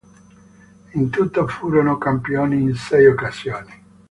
In tutto furono campioni in sei occasioni.